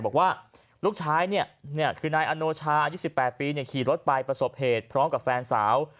บอกว่าลูกชายเนี่ยคือนายอโนชาอายุ๑๘ปีขี่รถไปประสบเหตุพร้อมกับแฟนสาว